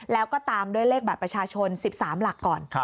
แล้วก็ตามด้วยเลขบัตรประชาชน๑๓หลักก่อน